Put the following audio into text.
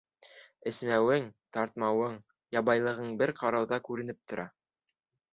Эсмәүең, тартмауың, ябайлығың бер ҡарауҙа күренеп тора.